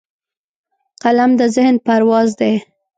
قلم د ذهن پرواز دی